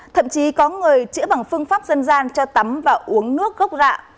thậm chí có người chữa bằng phương pháp dân gian cho tắm và uống nước gốc rạ